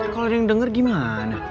kalau ada yang denger gimana